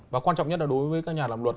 và quan trọng nhất là đối với các nhà làm luật